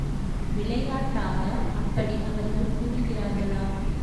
விளையாட்டாக அப்படி அவர்கள் கூறுகிறார்களா?